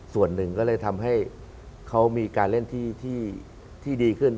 ส่วนหนึ่งก็เลยทำให้เขามีการเล่นที่ดีขึ้น